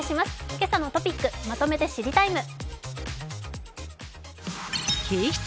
「けさのトピックまとめて知りＴＩＭＥ，」。